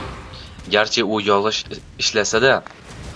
garchi u yolg’iz ishlasa-da